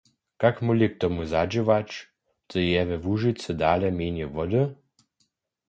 Kak móhli k tomu zadźěwać, zo je we Łužicy dale mjenje wody?